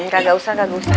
gak usah gak usah